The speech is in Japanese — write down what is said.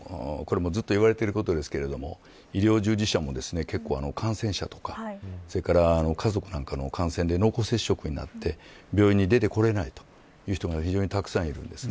これもずっと言われていることですが医療従事者も感染者とか家族なんかの感染で濃厚接触になって病院に出て来れないという人が非常にたくさんいるんです。